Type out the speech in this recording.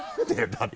だって。